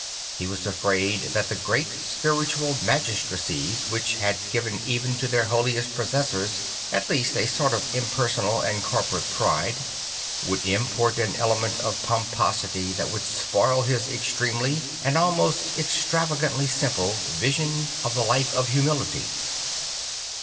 He was afraid that the great spiritual magistracies which had given even to their holiest possessors at least a sort of impersonal and corporate pride, would import an element of pomposity that would spoil his extremely and almost extravagantly simple version of the life of humility.